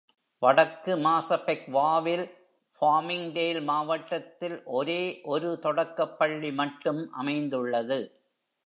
வடக்கு மாசபெக்வாவில் ஃபார்மிங்டேல் மாவட்டத்தில் ஒரே ஒரு தொடக்கப்பள்ளி மட்டும் அமைந்துள்ளது.